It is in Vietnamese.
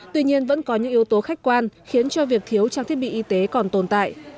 tuy nhiên vẫn có những yếu tố khách quan khiến cho việc thiếu trang thiết bị y tế còn tồn tại